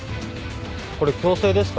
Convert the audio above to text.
これ強制ですか？